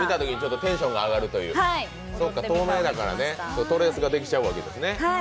透明だからトレースができちゃうわけですね。